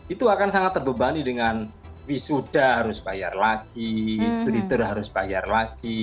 itu akan sangat terbebani dengan visuda harus bayar lagi study tour harus bayar lagi